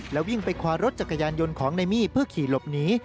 วิ่งไปคว้ารถจักรยานยนต์ของนายมี่เพื่อขี่หลบหนี